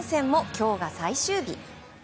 今日が最終日。